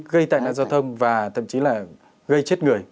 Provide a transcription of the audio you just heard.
gây tai nạn giao thông và thậm chí là gây chết người